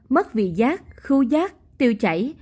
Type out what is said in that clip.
mất vị giác khu giác tiêu chảy